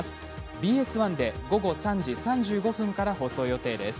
ＢＳ１で午後３時３５分から放送予定です。